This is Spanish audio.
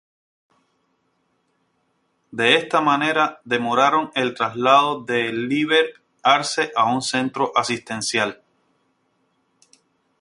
De esta manera demoraron el traslado de Líber Arce a un centro asistencial.